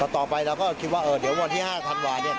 ต่อไปเราก็คิดว่าเดี๋ยววันที่๕ธันวาเนี่ย